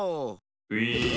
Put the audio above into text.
ウィーン。